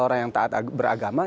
orang yang taat beragama